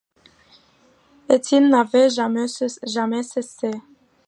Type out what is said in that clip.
Et il n’avait jamais cessé.